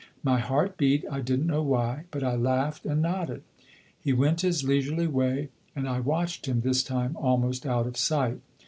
My heart beat, I didn't know why; but I laughed and nodded. He went his leisurely way and I watched him, this time, almost out of sight.